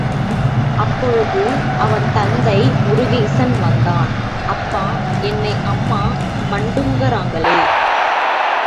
அப்பொழுது அவன் தந்தை முருகேசன் வந்தான், அப்பா, என்னை அம்மா மண்டுங்கறாங்களே?